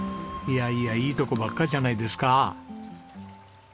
いやいやいいとこばっかじゃないですか。